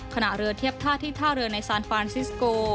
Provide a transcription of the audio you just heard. ขณะเรือเทียบท่าที่ท่าเรือในซานฟานซิสโก